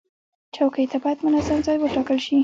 چوکۍ ته باید منظم ځای وټاکل شي.